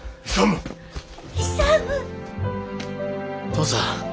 父さん。